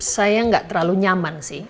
saya nggak terlalu nyaman sih